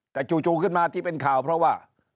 แต่จู่ขึ้นมาที่เป็นข่าวเพราะว่า